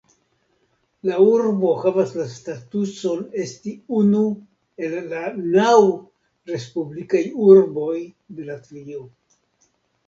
La urbo havas la statuson esti unu el la naŭ "respublikaj urboj de Latvio".